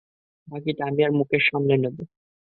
বাকিটা আমি আর মুকেশ সামলে নেব।